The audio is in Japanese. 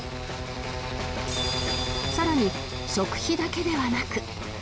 更に食費だけではなく